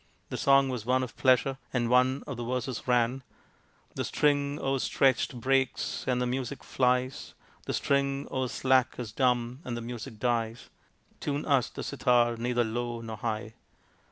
The song was one of pleasure, and one of the verses ran :" The string o'erstretched breaks, and the music flies ; The string o'erslack is dumb, and music dies ; Tune us the sitar neither low nor high."